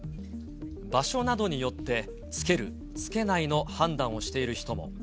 場所などによって着ける着けないの判断をしている人も。